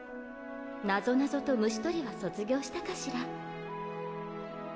なぞなぞと虫取りは卒業したかしら？